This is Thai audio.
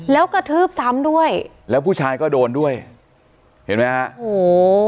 แล้วกระทืบซ้ำด้วยแล้วผู้ชายก็โดนด้วยเห็นไหมฮะโอ้โห